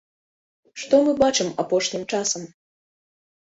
Што мы бачым апошнім часам?